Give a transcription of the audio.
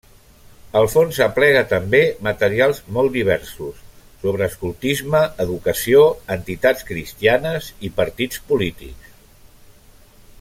El fons aplega també materials molt diversos sobre escoltisme, educació, entitats cristianes i partits polítics.